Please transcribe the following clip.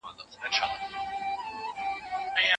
د دنیا مینه انسان ړوندوي.